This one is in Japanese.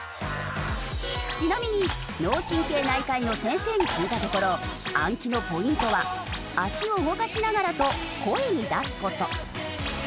ちなみに脳神経内科医の先生に聞いたところ暗記のポイントは足を動かしながらと声に出す事。